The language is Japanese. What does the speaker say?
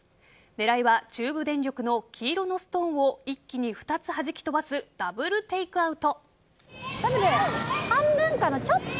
狙いは中部電力の黄色のストーンを一気に２つはじき飛ばすダブルテークアウト。